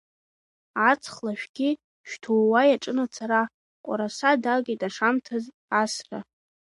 Аҵх лашәгьы шьҭууа иаҿын ацара, Ҟәараса далгеит ашамҭаз асра.